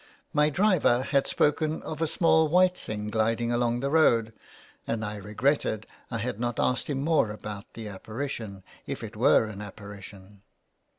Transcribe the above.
My driver had spoken of a small white thing gliding along the road, and I regretted I had not asked him more about the apparition, if it were an apparition.